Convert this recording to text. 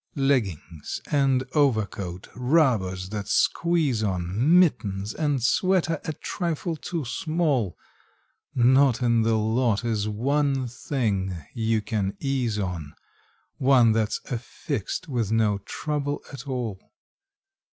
Leggings and overcoat, rubbers that squeeze on, Mittens and sweater a trifle too small; Not in the lot is one thing you can ease on, One that's affixed with no trouble at all.